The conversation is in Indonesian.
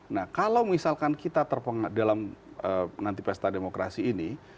nah kalau misalkan kita terpengaruh dalam nanti pesta demokrasi ini